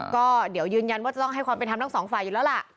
ก็เดี๋ยวยืนยันว่าจะต้องให้ความเป็นธรรมทั้งสองฝ่ายอยู่แล้วล่ะ